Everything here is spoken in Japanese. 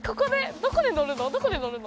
どこで乗るの？